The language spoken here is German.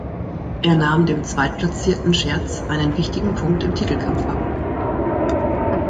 Er nahm dem Zweitplatzierten Scherz einen wichtigen Punkt im Titelkampf ab.